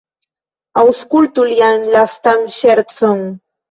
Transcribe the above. Aŭskultu lian lastan ŝercon!